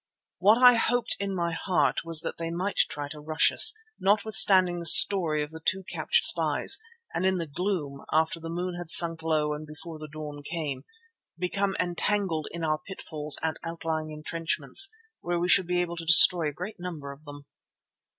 What I hoped in my heart was that they might try to rush us, notwithstanding the story of the two captured spies, and in the gloom, after the moon had sunk low and before the dawn came, become entangled in our pitfalls and outlying entrenchments, where we should be able to destroy a great number of them.